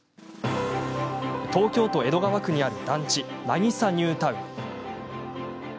東京都江戸川区にある団地なぎさニュータウン。